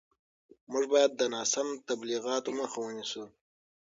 موږ باید د ناسم تبلیغاتو مخه ونیسو.